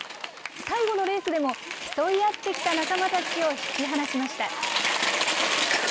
最後のレースでも、競い合ってきた仲間たちを引き離しました。